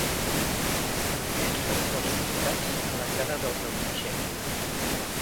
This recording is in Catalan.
Moviments facials sobtats a la cara del rellotger.